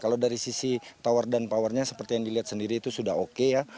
kalau dari sisi tower dan powernya seperti yang dilihat sendiri itu sudah oke ya